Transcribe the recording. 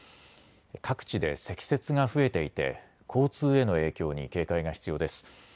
各地で積雪が増えていて交通への影響に警戒が必要です。